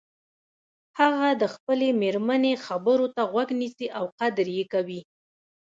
هغه د خپلې مېرمنې خبرو ته غوږ نیسي او قدر یی کوي